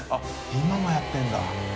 今もやってるんだ。